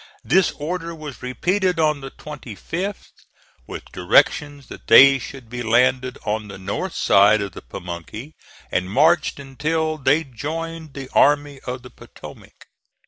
This order was repeated on the 25th, with directions that they should be landed on the north side of the Pamunkey, and marched until they joined the Army of the Potomac.